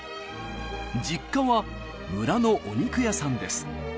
実家は村のお肉屋さんです。